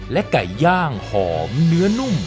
ไก่ย่างหอมเนื้อนุ่ม